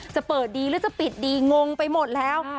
จะเปิดดีหรือจะปิดดีงงไปหมดแล้ว